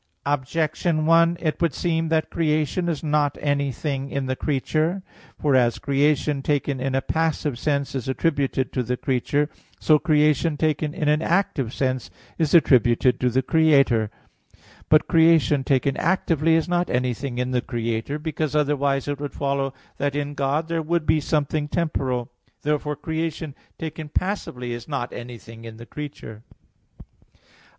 Objection 1: It would seem that creation is not anything in the creature. For as creation taken in a passive sense is attributed to the creature, so creation taken in an active sense is attributed to the Creator. But creation taken actively is not anything in the Creator, because otherwise it would follow that in God there would be something temporal. Therefore creation taken passively is not anything in the creature. Obj.